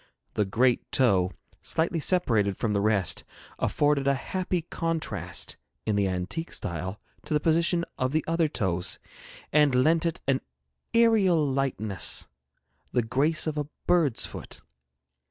The great toe, slightly separated from the rest, afforded a happy contrast, in the antique style, to the position of the other toes, and lent it an aerial lightness the grace of a bird's foot.